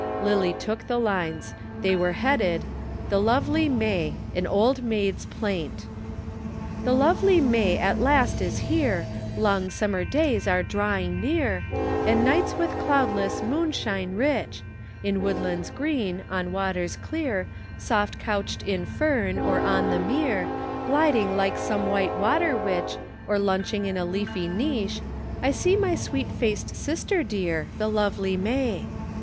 Lillie took the lines. They were headed THE LOVELY MAY AN OLD MAID'S PLAINT. The lovely May at last is here, Long summer days are drawing near, And nights with cloudless moonshine rich; In woodlands green, on waters clear, Soft couched in fern, or on the mere, Gliding like some white water witch, Or lunching in a leafy niche, I see my sweet faced sister dear, The lovely May.